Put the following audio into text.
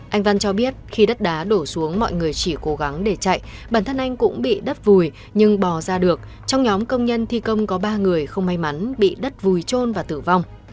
anh văn cho biết khi đất đá đổ xuống mọi người chỉ cố gắng để chạy bản thân anh cũng bị đất vùi nhưng bò ra được trong nhóm công nhân thi công có ba người không may mắn bị đất vùi trôn và tử vong